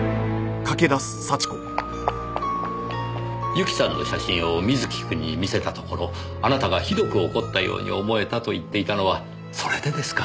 ユキさんの写真を瑞貴くんに見せたところあなたがひどく怒ったように思えたと言っていたのはそれでですか。